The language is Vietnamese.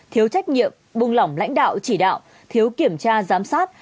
thiếu trách nhiệm buông lỏng lãnh đạo chỉ đạo thiếu kiểm tra giám sát